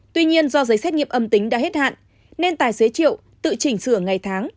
tuy nhiên do giấy xét nghiệm âm tính đã hết hạn nên tài xế triệu tự chỉnh sửa ngày tháng